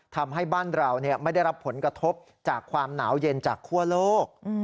ทำให้บ้านเราไม่ได้รับผลกระทบจากความหนาวเย็นจากคั่วโลก